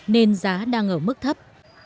nên giá đang ở mức thấp